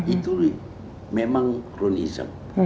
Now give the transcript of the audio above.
itu memang kronisme